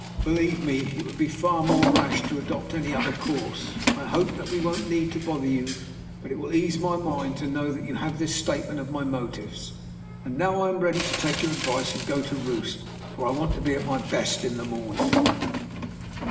"Believe me, it would be far more rash to adopt any other course. I hope that we won't need to bother you, but it will ease my mind to know that you have this statement of my motives. And now I am ready to take your advice and to go to roost, for I want to be at my best in the morning."